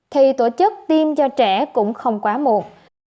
thì tổ chức tiêm cho trẻ cũng không quá muộn